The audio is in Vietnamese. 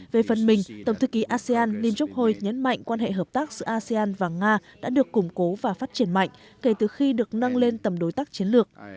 về phần mình tổng thư ký asean linh chokhoi nhấn mạnh quan hệ hợp tác giữa asean và nga đã được củng cố và phát triển mạnh kể từ khi được nâng lên tầm đối tác chiến lược